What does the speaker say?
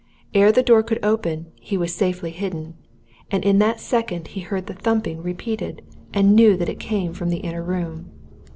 Ere the door could open, he was safely hidden and in that second he heard the thumping repeated and knew that it came from the inner room.